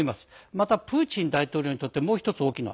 また、プーチン大統領にとってもう１つ大きな